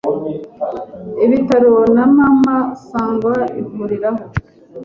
ibitaro na Mama Sangwa avuriraho,